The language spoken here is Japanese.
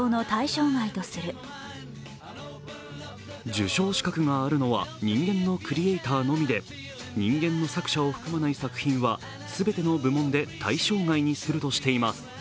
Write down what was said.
受賞資格があるのは人間のクリエーターのみで、人間の作者を含まない作品は全ての部門で対象外にするとしています。